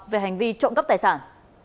về hành vi trộm cấp tài sản